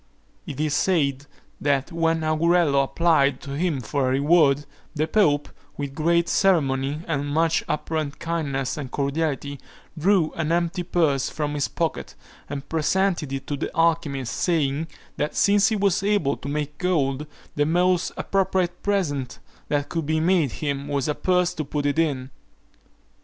It is said, that when Augurello applied to him for a reward, the pope, with great ceremony and much apparent kindness and cordiality, drew an empty purse from his pocket, and presented it to the alchymist, saying, that since he was able to make gold, the most appropriate present that could be made him, was a purse to put it in.